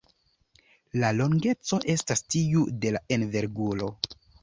La longeco estas tiu de la enverguro.